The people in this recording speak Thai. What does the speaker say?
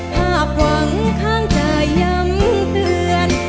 ภาพหวังข้างจะย้ำเตือน